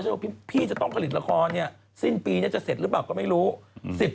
ฉันบอกว่าพี่จะต้องผลิตละครสิ้นปีจะเสร็จหรือเปล่าก็ไม่รู้